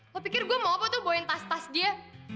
aku pikir gue mau apa tuh bawain tas tas dia